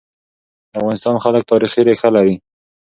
د افغانستان خلک تاریخي ريښه لري.